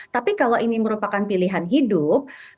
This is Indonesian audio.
tapi kalau ini merupakan pilihan hidup